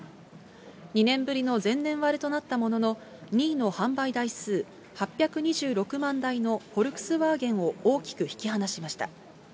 ２年ぶりの前年割れとなったものの２位の販売台数８２６万台のフォルクスワーゲンを大きく引き離しました。